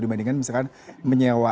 dibandingkan misalkan menyewa